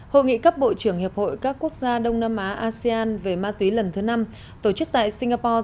hội nghị cấp bộ trưởng hiệp hội các quốc gia đông nam á asean về ma túy lần thứ năm tổ chức tại singapore